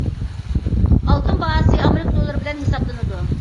ئالتۇن باھاسى ئامېرىكا دوللىرى بىلەن ھېسابلىنىدۇ.